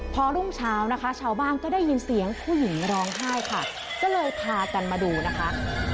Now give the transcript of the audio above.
พอรุ่งเช้านะคะชาวบ้านก็ได้ยินเสียงผู้หญิงร้องไห้ค่ะก็เลยพากันมาดูนะคะ